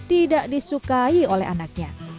tidak disukai oleh anaknya